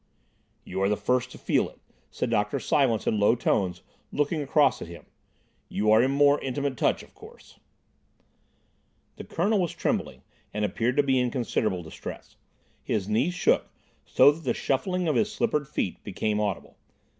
"You are the first to feel it," said Dr. Silence in low tones, looking across at him. "You are in more intimate touch, of course—" The Colonel was trembling, and appeared to be in considerable distress. His knees shook, so that the shuffling of his slippered feet became audible.